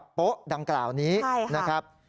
คุณผู้ชมไปฟังเธอธิบายแล้วกันนะครับ